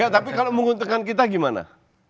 tapi kalau menguntungkan kita gimana